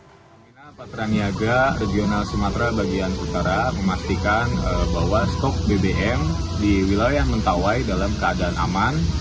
pertamina patraniaga regional sumatera bagian utara memastikan bahwa stok bbm di wilayah mentawai dalam keadaan aman